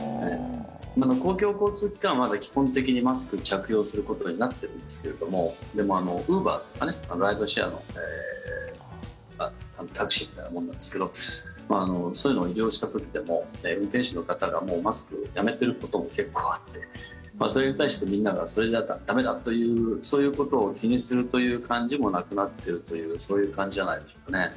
公共交通機関はまだ基本的にマスクを着用することにはなっているんですけれどもウーバーとか、ライドシェアのタクシーみたいなものなんですがそういうのを利用した時でも運転手の方がもうマスクをやめていることも結構あってそれに対してみんながそれじゃ駄目だというそういうことを気にするという感じもなくなっているというそういう感じじゃないでしょうかね。